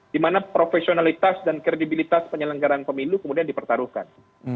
di mana profesionalitas dan kredibilitas penyelenggaraan pemilu kemudian dipertaruhkan